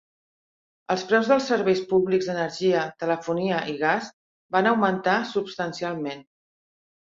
Els preus dels serveis públics d'energia, telefonia i gas van augmentar substancialment.